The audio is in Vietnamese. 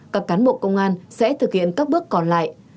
các cán bộ công an sẽ thực hiện các bước còn lại